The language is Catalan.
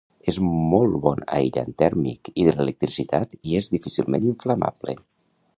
És molt bon aïllant tèrmic i de l'electricitat i és difícilment inflamable.